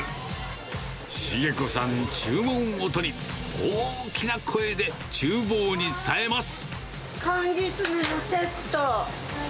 重子さん、注文を取り、大きな声でちゅう房に伝えます。